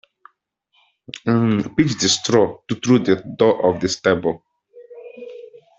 Pitch the straw through the door of the stable.